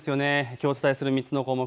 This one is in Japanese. きょうお伝えする３つの項目